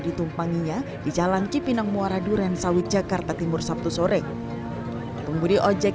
ditumpanginya di jalan cipinang muara duren sawit jakarta timur sabtu sore pengemudi ojek